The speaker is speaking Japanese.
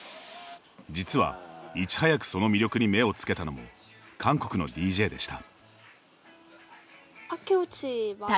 実は、いち早くその魅力に目をつけたのも韓国のＤＪでした。